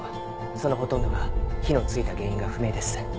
そのほとんどが火のついた原因が不明です。